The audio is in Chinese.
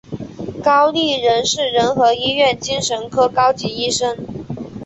高立仁是仁和医院精神科高级医生。